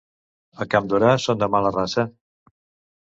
A Campdorà són de mala raça.